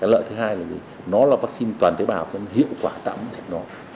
lợi thứ hai là nó là vaccine toàn thế bào hiệu quả tạo dịch nó